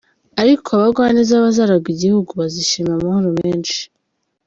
Ariko abagwaneza bazaragwa igihugu, Bazishimira amahoro menshi.